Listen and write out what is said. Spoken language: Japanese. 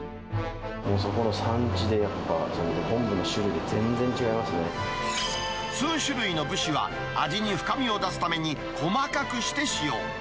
もうそこの産地でやっぱ、数種類の節は味に深みを出すために、細かくして使用。